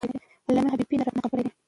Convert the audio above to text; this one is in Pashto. علامه حبیبي روایت نقل کړی دی.